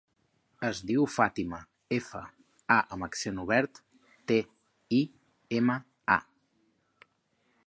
Es diu Fàtima: efa, a amb accent obert, te, i, ema, a.